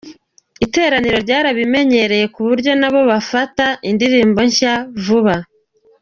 Iteraniro ryarabimenyereye kuburyo nabo bafata indirimbo nshya vuba.